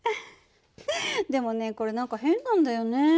でもねこれ何か変なんだよね。